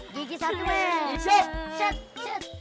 gigi satu men